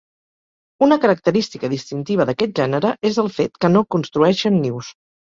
Una característica distintiva d'aquest gènere és el fet que no construeixen nius.